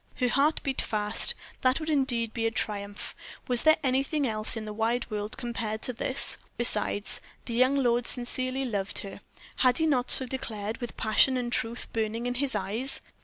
Her heart beat fast. That would indeed be a triumph. What was anything else in the wide world compared to this? Besides, the young lord sincerely loved her. Had he not so declared, with passion and truth burning in his eyes?